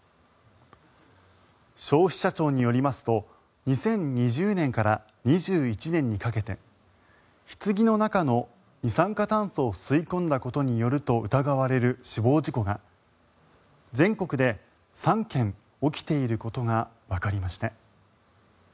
消費者庁によりますと２０２０年から２１年にかけてひつぎの中の二酸化炭素を吸い込んだことによると疑われる死亡事故が全国で３件起きていることがわかりました。